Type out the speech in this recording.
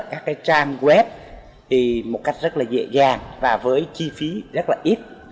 các cái trang web thì một cách rất là dễ dàng và với chi phí rất là ít